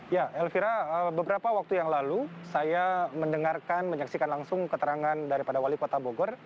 ya elvira beberapa waktu yang lalu saya mendengarkan menyaksikan langsung keterangan daripada wali kota bogor